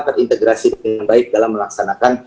terintegrasi dengan baik dalam melaksanakan